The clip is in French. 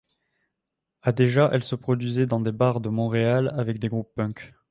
À déjà elle se produisait dans des bars de Montréal avec des groupes punks.